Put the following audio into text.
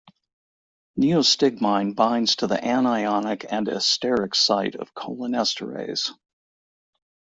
Neostigmine binds to the anionic and esteric site of cholinesterase.